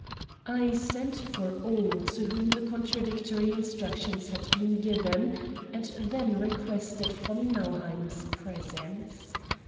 I sent for all to whom the contradictory instructions had been given, and then requested von Nauheim's presence.